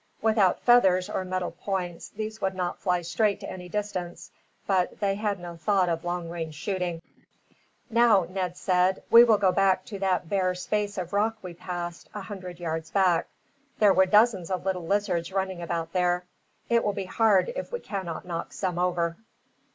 Without feathers, or metal points, these could not fly straight to any distance; but they had no thought of long range shooting. "Now," Ned said, "we will go back to that bare space of rock we passed, a hundred yards back. There were dozens of little lizards running about there, it will be hard if we cannot knock some over."